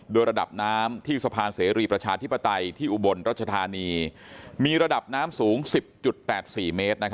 โดยระดับน้ำที่สะพานเสรีประชาธิปไตยที่อุบลรัชธานีมีระดับน้ำสูง๑๐๘๔เมตร